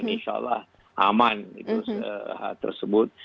insya allah aman hal tersebut